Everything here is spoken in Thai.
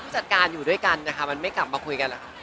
คุณผู้จัดการอยู่ด้วยกันนะคะมันไม่กลับมาคุยกันหรือครับ